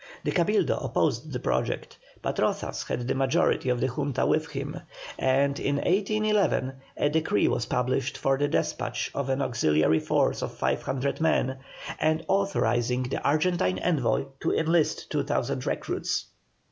The Cabildo opposed the project, but Rozas had the majority of the Junta with him, and in 1811 a decree was published for the despatch of an auxiliary force of 500 men, and authorizing the Argentine envoy to enlist 2,000 recruits.